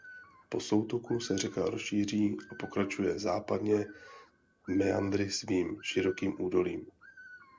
Po soutoku se řeka rozšíří a pokračuje západně meandry svým širokým údolím.